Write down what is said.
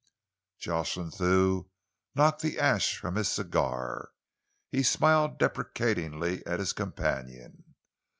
Jocelyn Thew knocked the ash from his cigar. He smiled deprecatingly at his companion.